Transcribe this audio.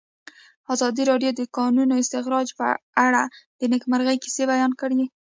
ازادي راډیو د د کانونو استخراج په اړه د نېکمرغۍ کیسې بیان کړې.